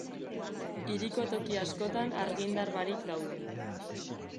Hiriko toki askotan argindar barik daude.